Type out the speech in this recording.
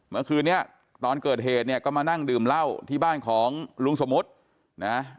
เมื่อคืนนี้ตอนเกิดเหตุเนี่ยก็มานั่งดื่มเหล้าที่บ้านของลุงสมมุตินะ